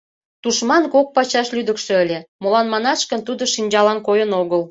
Тушман кок пачаш лӱдыкшӧ ыле, молан манаш гын, тудо шинчалан койын огыл.